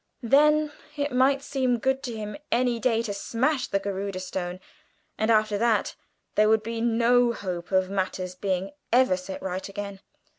Then it might seem good to him any day to smash the Garudâ Stone, and after that there would be no hope of matters being ever set right again!